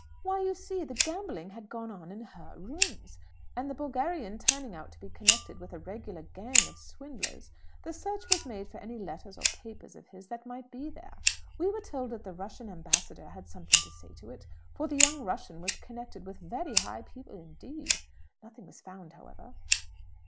"Why, you see, the gambling had gone on in her rooms. And the Bulgarian turning out to be connected with a regular gang of swindlers, the search was made for any letters or papers of his that might be there. We were told that the Russian ambassador had something to say to it; for the young Russian was connected with very high people indeed. Nothing was found, however."